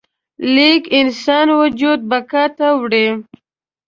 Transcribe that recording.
لیک د انسان وجود بقا ته وړي.